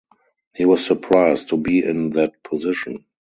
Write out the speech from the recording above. He was surprised to be in that position.